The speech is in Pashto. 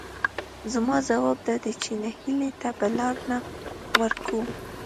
زما ځواب دادی چې نهیلۍ ته به لار نه ورکوو،